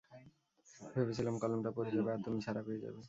ভেবেছিলাম কলমটা পড়ে যাবে, আর তুমি ছাড়া পেয়ে যাবে।